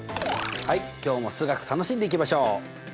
はい今日も数学楽しんでいきましょう！